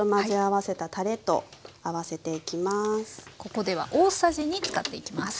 ここでは大さじ２使っていきます。